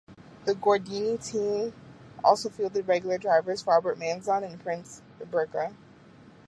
The Gordini team also fielded regular drivers Robert Manzon and Prince Bira.